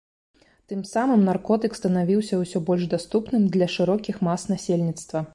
Тым самым наркотык станавіўся ўсё больш даступным для шырокіх мас насельніцтва.